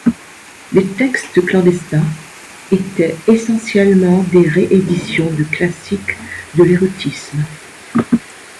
Les textes clandestins étaient essentiellement des rééditions de classiques de l'érotisme.